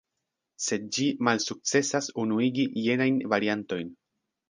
Sed ĝi malsukcesas unuigi jenajn variantojn.